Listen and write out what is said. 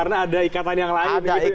karena ada ikatan yang lain